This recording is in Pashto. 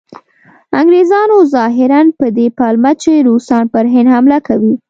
انګریزانو ظاهراً په دې پلمه چې روسان پر هند حمله کوي.